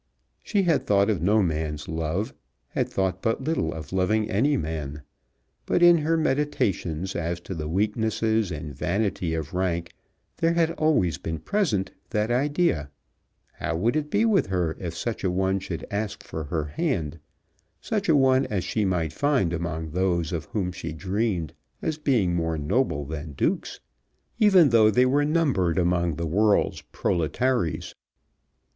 She had thought of no man's love, had thought but little of loving any man, but in her meditations as to the weaknesses and vanity of rank there had always been present that idea, how would it be with her if such a one should ask for her hand, such a one as she might find among those of whom she dreamed as being more noble than Dukes, even though they were numbered among the world's proletaries?